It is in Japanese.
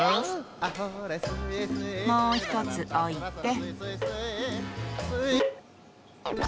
もう１つ置いて。